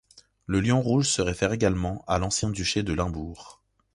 Le lion rouge se réfère également à l'ancien duché de Limbourg.